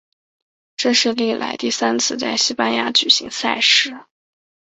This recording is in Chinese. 这是历来第三次在西班牙举行赛事。